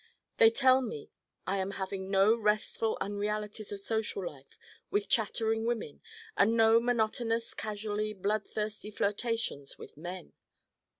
They tell me I am having no restful unrealities of social life with chattering women and no monotonous casually bloodthirsty flirtations with men.